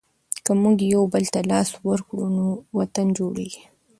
که موږ یوبل ته لاس ورکړو نو وطن جوړېږي.